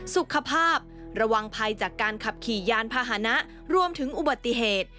สุขภาพระวังภัยจากการขับขี่ยานพาหนะรวมถึงอุบัติเหตุ